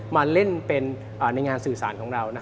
มาเล่นเป็นในงานสื่อสารของเรา